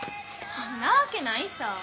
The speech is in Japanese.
なわけないさぁ。